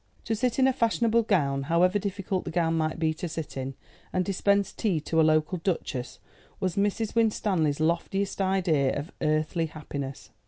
To sit in a fashionable gown however difficult the gown might be to sit in and dispense tea to a local duchess, was Mrs. Winstanley's loftiest idea of earthly happiness.